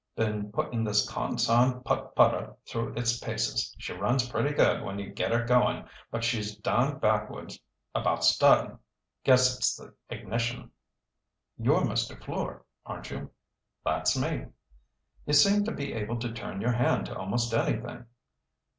"Been puttin' this consarned put putter through its paces. She runs pretty good when you get 'er goin' but she's derned backwards about startin'. Guess it's the ignition." "You're Mr. Fleur, aren't you?" "That's me." "You seem to be able to turn your hand to almost anything."